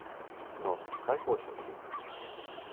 No, kaj hočeš?